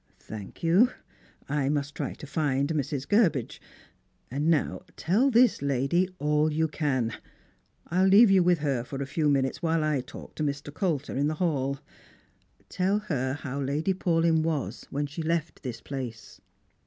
" Thanks. I must try to find Mrs. Gurbage. And now tell this lady all you can. I'll leave you with her for a few minutes while I talk to Mr. Colter in the hall. Tell her how Lady Paulyn was when she left this place."